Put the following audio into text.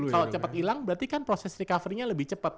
kalau cepat hilang berarti kan proses recovery nya lebih cepat